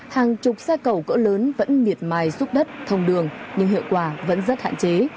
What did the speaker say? hàng chục xe cầu cỡ lớn vẫn miệt mài xúc đất thông đường nhưng hiệu quả vẫn rất hạn chế